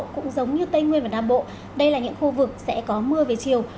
cũng giống như tây nguyên và nam bộ đây là những khu vực sẽ có mưa về chiều